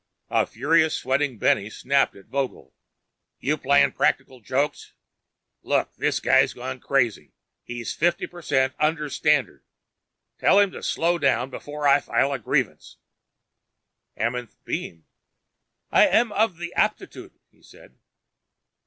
A furious sweating Benny snapped at Vogel, "You playing practical jokes? Look, this guy's gone crazy, he's fifty per cent under standard! Tell him to slow down before I file a grievance." Amenth beamed. "I am of the aptitude," he said.